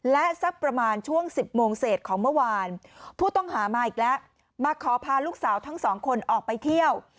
และสักประมาณช่วง๑๐โมงเศษของเมื่อวานผู้ต้องหามาอีกแล้วมาขอพาลูกสาวทั้งสองคนออกไปเที่ยว